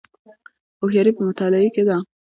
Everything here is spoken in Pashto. هوښیاري په مطالعې کې ده